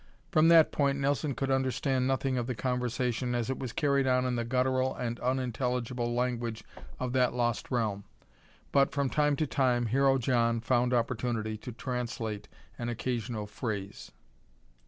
From that point Nelson could understand nothing of the conversation as it was carried on in the guttural and unintelligible language of that lost realm, but, from time to time Hero John found opportunity to translate an occasional phrase.